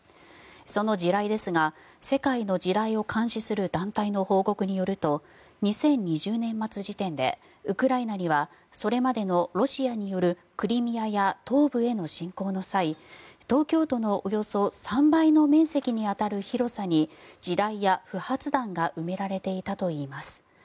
その地雷ですが世界の地雷を監視する団体の報告によると２０２０年末時点でウクライナにはそれまでのロシアによるクリミアや東部への侵攻の際東京都のおよそ３倍の面積に当たる広さに地雷や不発弾が埋められていたといいます。